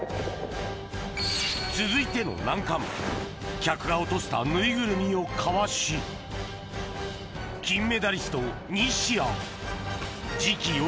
続いての難関客が落としたぬいぐるみをかわし金メダリスト西矢次期